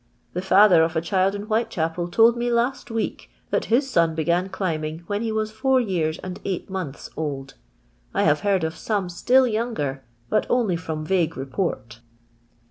The father of a child in Whitechapel tnld me last week, that his I son b'^giin climbing when he was four years and I eigiit months old. I have beard of some still ; younger, but only from vague report."